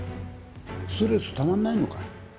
「ストレスたまんないのかい？」